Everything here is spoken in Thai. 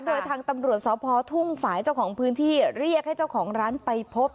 โดยทางตำรวจสพทุ่งฝ่ายเจ้าของพื้นที่เรียกให้เจ้าของร้านไปพบ